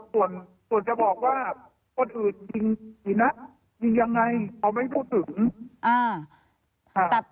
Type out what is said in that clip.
ค่ะส่วนจะบอกว่าคนอื่นจริงดีนะจริงยังไงเขาไม่พูดถึง